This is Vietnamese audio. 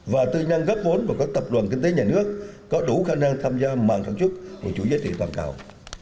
và tư nhân gấp vốn của các tập đoàn kinh tế nhà nước có đủ khả năng tham gia mạng sản xuất của chủ giới thiệu toàn cầu